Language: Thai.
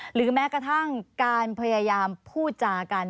หรือแม้กระทั่งการพยายามพูดจากัน